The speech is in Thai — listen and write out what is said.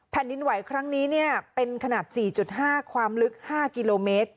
แผ่นดินไหวครั้งนี้เป็นขนาด๔๕ความลึก๕กิโลเมตร